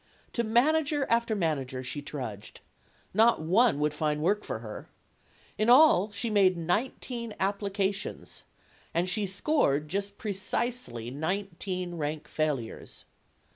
To manager after manager she trudged. Not one would find work for her. In all, she made nineteen applications. And she scored just precisely nineteen rank failures.